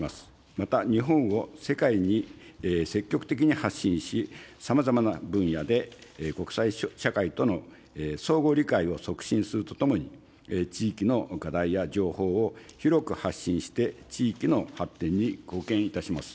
また、日本を世界に積極的に発信し、さまざまな分野で国際社会との相互理解を促進するとともに、地域の課題や情報を広く発信して、地域の発展に貢献いたします。